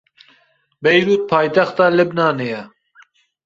Beyrûd paytexta Libnanê ye.